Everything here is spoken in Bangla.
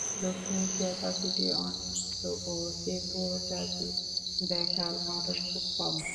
দক্ষিণ এশিয়ায় পাখিটি অনিয়মিত ও এ প্রজাতি দেখার ঘটনা খুব কম।